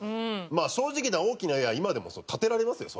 まあ正直言ったら大きな家は今でも建てられますよ